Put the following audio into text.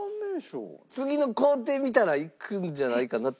次の工程見たらいくんじゃないかなと。